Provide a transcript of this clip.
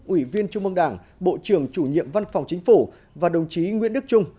ủy viên trung mương đảng bộ trưởng chủ nhiệm văn phòng chính phủ và đồng chí nguyễn đức trung